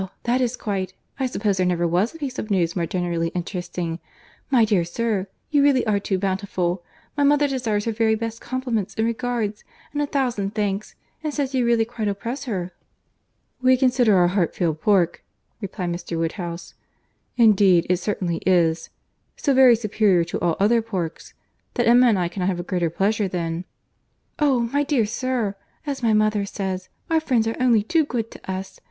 that is quite—I suppose there never was a piece of news more generally interesting. My dear sir, you really are too bountiful. My mother desires her very best compliments and regards, and a thousand thanks, and says you really quite oppress her." "We consider our Hartfield pork," replied Mr. Woodhouse—"indeed it certainly is, so very superior to all other pork, that Emma and I cannot have a greater pleasure than—" "Oh! my dear sir, as my mother says, our friends are only too good to us.